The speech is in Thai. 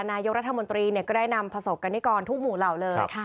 นายกรัฐมนตรีก็ได้นำประสบกรณิกรทุกหมู่เหล่าเลย